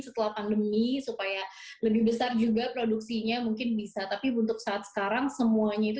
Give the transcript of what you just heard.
setelah pandemi supaya lebih besar juga produksinya mungkin bisa tapi untuk saat sekarang semuanya itu